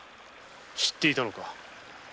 知っていたのか？